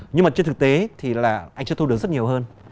nhưng mà trên thực tế thì là anh chưa thu được rất nhiều hơn